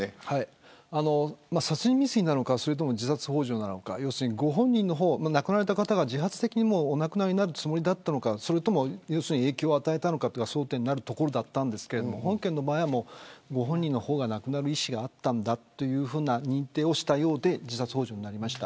殺人未遂なのか自殺ほう助なのか亡くなられた方が自発的にお亡くなりになるつもりだったのかそれとも影響を与えたのかが争点になるところでしたが本件はご本人の方に亡くなる意思があったんだという認定をしたようで自殺ほう助になりました。